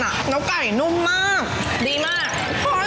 น้องไก่นุ่มมากดีมาก